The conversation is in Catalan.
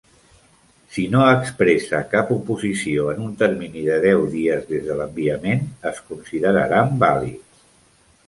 Si no expressa cap oposició en un termini de deu dies des de l'enviament, es consideraran vàlids.